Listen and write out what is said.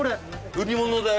売り物だよ。